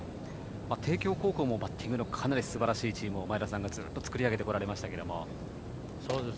帝京高校もバッティングかなりすばらしい選手をずっと作り上げてこられましたけど。